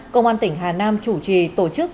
công an tỉnh hà nam chủ trì tổ chức